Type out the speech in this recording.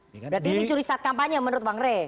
berarti ini curi start kampanye menurut bang rey